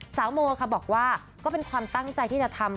โมค่ะบอกว่าก็เป็นความตั้งใจที่จะทำ